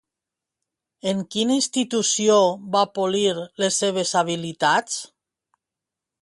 En quina institució va polir les seves habilitats?